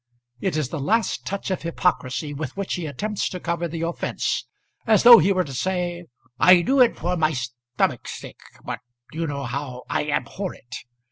It is the last touch of hypocrisy with which he attempts to cover the offence; as though he were to say, "I do it for my stomach's sake; but you know how I abhor it."